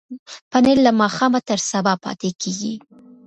پنېر له ماښامه تر سبا پاتې کېږي.